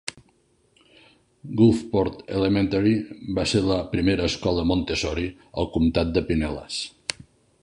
Gulfport Elementary va ser la primera escola Montessori al comtat de Pinellas.